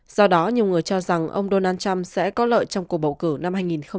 do đó nhiều người cho rằng ông donald trump sẽ có lợi trong cuộc bầu cử năm hai nghìn một mươi sáu